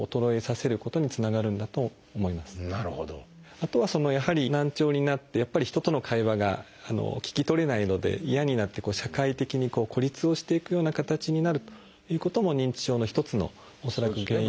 あとはやはり難聴になってやっぱり人との会話が聞き取れないので嫌になって社会的に孤立をしていくような形になるということも認知症の一つの恐らく原因。